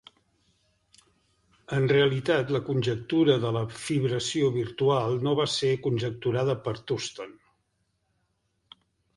En realitat la conjectura de la fibració virtual no va ser conjecturada per Thurston.